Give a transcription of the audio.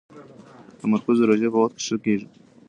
تمرکز د روژې په وخت کې ښه کېږي.